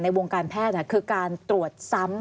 วงการแพทย์คือการตรวจซ้ำ